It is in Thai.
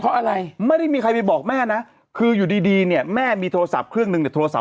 เพราะอะไรไม่ได้มีใครไปบอกแม่นะคืออยู่ดีเนี่ยแม่มีโทรศัพท์เครื่องหนึ่งเนี่ยโทรศัพ